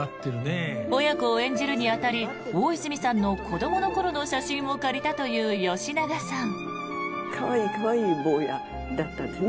親子を演じるに当たり大泉さんの子どもの頃の写真を借りたという吉永さん。